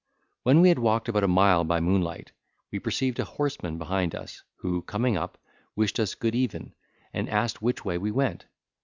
When we had walked about a mile by moonlight, we perceived a horseman behind us, who coming up, wished us good even, and asked which way we went?